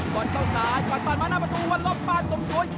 บอลเข้าซ้ายก่อนปาดมาหน้าประตูวันลบปาดสมสวย